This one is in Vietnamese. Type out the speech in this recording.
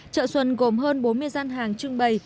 chợ xuân gồm hơn bốn mươi gian hàng trưng bày